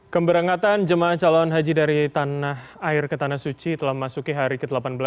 keberangkatan jemaah calon haji dari tanah air ke tanah suci telah memasuki hari ke delapan belas